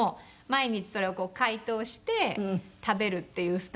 毎日それを解凍して食べるっていうスタイルにして。